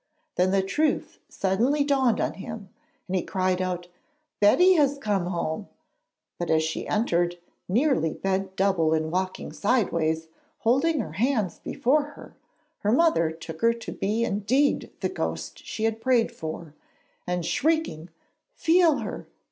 Then the truth suddenly dawned on him and he cried out, 'Betty has come home'; but as she entered, nearly bent double and walking sideways holding her hands before her, her mother took her to be indeed the ghost she had prayed for, and, shrieking 'Feel her!